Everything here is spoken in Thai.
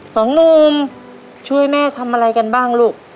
สองนุ่มช่วยแม่ทำอะไรกันบ้างลูก